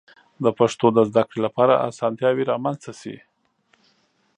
د پښتو د زده کړې لپاره آسانتیاوې رامنځته شي.